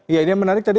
ya ini yang menarik tadi